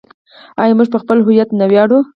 آیا موږ په خپل هویت نه ویاړو؟